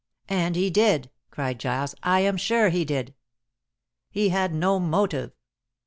"And he did," cried Giles. "I am sure he did." "He had no motive."